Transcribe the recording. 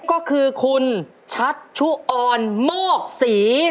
ก็คือคุณชัชชุออนโมกศรี